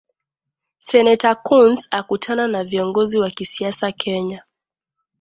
Seneta Coons akutana na viongozi wa kisiasa Kenya